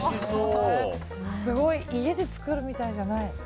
家で作るみたいじゃない。